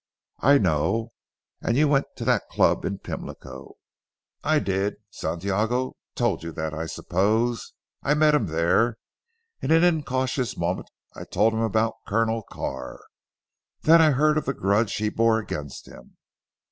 "I know. And you went to that club in Pimlico." "I did. Santiago told you that I suppose. I met him there. In an incautious moment I told him about Colonel Carr. Then I heard of the grudge he bore against him."